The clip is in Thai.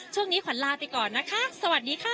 ช่วงนี้ขวัญลาไปก่อนนะคะสวัสดีค่ะ